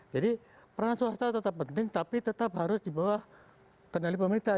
jadi peranan swasta tetap penting tapi tetap harus di bawah kenali pemerintah